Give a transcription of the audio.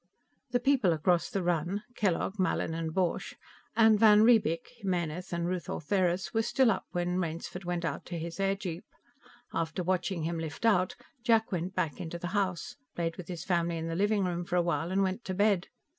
The people across the run Kellogg, Mallin and Borch, and van Riebeek, Jimenez and Ruth Ortheris were still up when Rainsford went out to his airjeep. After watching him lift out, Jack went back into the house, played with his family in the living room for a while and went to bed.